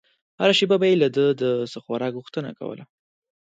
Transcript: هره شېبه به يې له ده د څه خوراک غوښتنه کوله.